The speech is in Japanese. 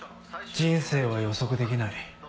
人生は予測できない。